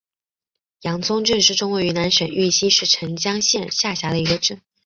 阳宗镇是中国云南省玉溪市澄江县下辖的一个镇。